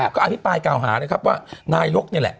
เขาอภิปัยกล่าวหาว่านายกเนี่ยแหละ